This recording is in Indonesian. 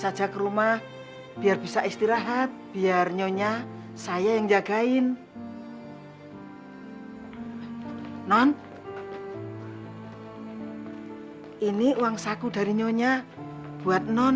saja ke rumah biar bisa istirahat biar nyonya saya yang jagain non ini uang saku dari nyonya buat non